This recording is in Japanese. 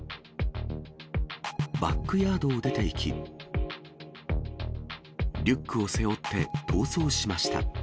バックヤードを出ていき、リュックを背負って逃走しました。